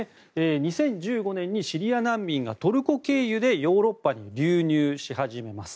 ２０１５年にシリア難民がトルコ経由でヨーロッパに流入し始めます。